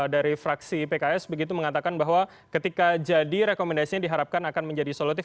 dari fraksi pks begitu mengatakan bahwa ketika jadi rekomendasinya diharapkan akan menjadi solutif